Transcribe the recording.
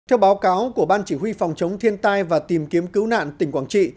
theo báo cáo của ban chỉ huy phòng chống thiên tai và tìm kiếm cứu nạn tỉnh quảng trị